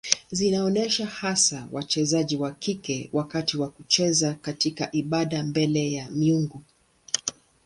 Zinaonyesha hasa wachezaji wa kike wakati wa kucheza katika ibada mbele ya miungu.